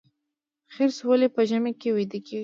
خرس ولې په ژمي کې ویده کیږي؟